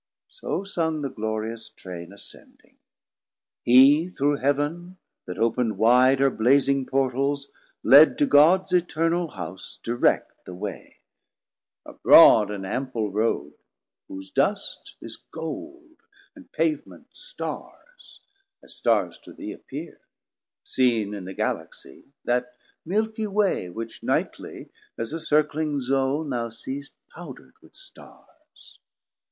So sung The glorious Train ascending: He through Heav'n, That open'd wide her blazing Portals, led To Gods Eternal house direct the way, A broad and ample rode, whose dust is Gold And pavement Starrs, as Starrs to thee appeer, Seen in the Galaxie, that Milkie way Which nightly as a circling Zone thou seest 580 Pouderd with Starrs.